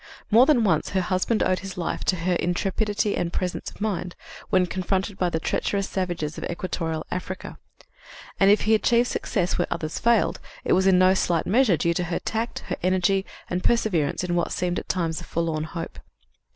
More than once her husband owed his life to her intrepidity and presence of mind, when confronted by the treacherous savages of equatorial Africa; and, if he achieved success where others failed, it was in no slight measure due to her tact, her energy and perseverance in what seemed at times a forlorn hope.